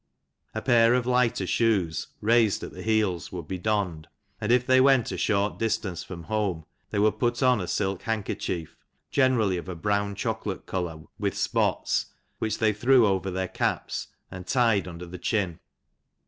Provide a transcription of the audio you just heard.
A pair of lighter shoes, raised at the heels, would be don*d ; and if they went a short distance from home, they would put on a silk handkerchief, generally of a brown chocolate colour, with spots, which they threw over their caps, and tied under the chin.